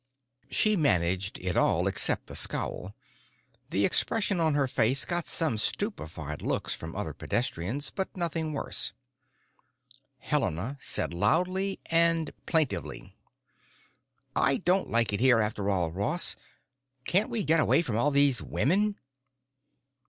She managed it all except the scowl. The expression on her face got some stupefied looks from other pedestrians, but nothing worse. Helena said loudly and plaintively: "I don't like it here after all, Ross. Can't we get away from all these women?"